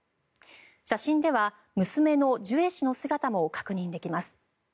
写真では娘のジュエ氏の姿も確認できます。